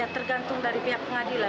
tergantung dari pihak pengadilan